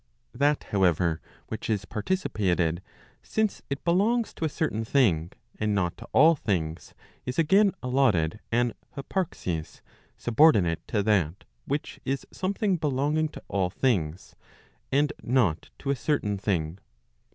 That however which is participated since it belongs to a certain thing, and not to all things, is again allotted an hyparxis subordinate to that which is something belonging to all things, and not to a certain thing.